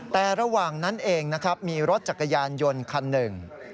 แต่ระหว่างนั้นเองนะครับมีรถจักรยานยนต์คันหนึ่ง